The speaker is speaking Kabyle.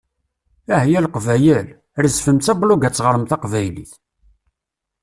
Ahya Leqbayel! Rezfem s ablug-a teɣrem taqbaylit.